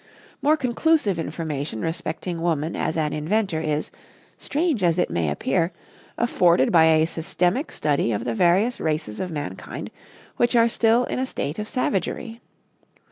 More conclusive information respecting woman as an inventor is, strange as it may appear, afforded by a systematic study of the various races of mankind which are still in a state of savagery.